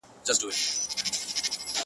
هغې ته درد لا ژوندی دی-